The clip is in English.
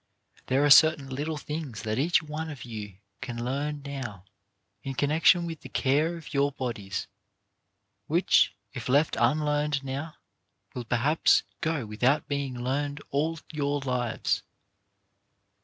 There are certain little things that each one of you can learn now, in connection with the care of your bodies, which, if left unlearned now, will perhaps go without being learned all your lives.